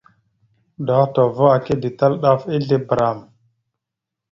Dotohəva aka ditala ɗaf a ezle bəram.